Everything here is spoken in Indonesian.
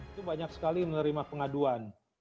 itu banyak sekali menerima pengaduan